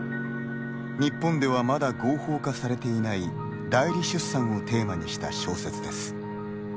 日本ではまだ合法化されていない代理出産をテーマにした小説です。